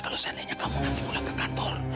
kalau seandainya kamu nanti pulang ke kantor